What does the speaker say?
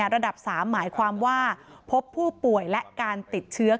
ระดับ๓หมายความว่าพบผู้ป่วยและการติดเชื้อ